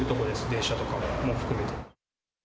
電車とかも含めて。